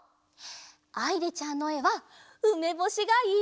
あいりちゃんのえはうめぼしがいっぱい！